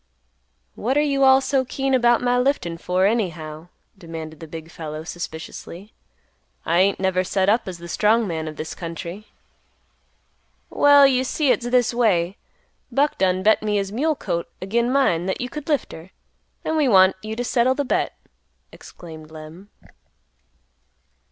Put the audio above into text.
"What are you all so keen about my liftin' for, anyhow?" demanded the big fellow, suspiciously. "I ain't never set up as the strong man of this country." "Well, you see it's this way; Buck done bet me his mule colt agin mine that you could lift her; an' we want you to settle th' bet!" exclaimed Lem.